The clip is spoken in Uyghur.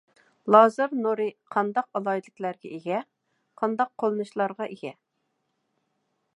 لازېر نۇرى قانداق ئالاھىدىلىكلەرگە ئىگە؟ قانداق قوللىنىشلارغا ئىگە؟